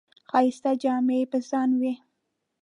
ښایسته جامې یې په ځان وې.